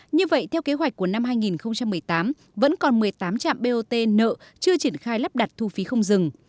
như vậy theo kế hoạch của năm hai nghìn một mươi tám vẫn còn một mươi tám trạm bot nợ chưa triển khai lắp đặt thu phí không dừng